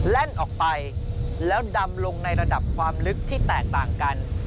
แล่นออกไปแล้วดำลงในระดับความลึกที่แตกต่างกัน